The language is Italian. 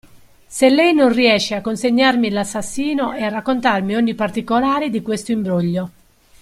Se lei non riesce a consegnarmi l'assassino e a raccontarmi ogni particolare di questo imbroglio.